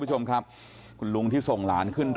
พี่สาวอายุ๗ขวบก็ดูแลน้องดีเหลือเกิน